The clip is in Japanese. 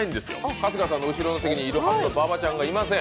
春日さんの後ろの席にいるはずの馬場ちゃんがいません。